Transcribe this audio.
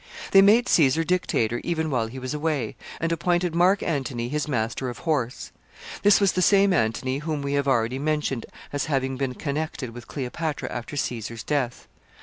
They made Caesar dictator even while he was away, and appointed Mark Antony his master of horse. This was the same Antony whom we have already mentioned as having been connected with Cleopatra after Caesar's death.